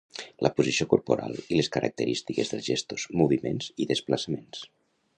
La posició corporal i les característiques dels gestos, moviments i desplaçaments.